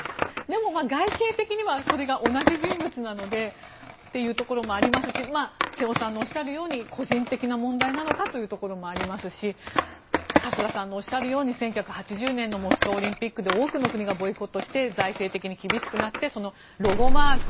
でも外形的にはそれが同じ人物なのでというところもありますし瀬尾さんのおっしゃるように個人的な問題なのかというところもありますし春日さんがおっしゃるように１９８０年のモスクワオリンピックで多くの国がボイコットして財政的に厳しくなってロゴマーク